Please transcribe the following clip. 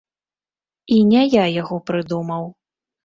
І не я яго прыдумаў.